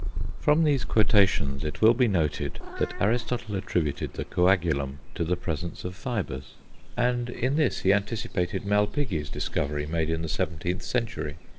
From these quotations it will be noted that Aristotle attributed the coagulum to the presence of fibres, and in this he anticipated Malpighi's discovery made in the seventeenth century.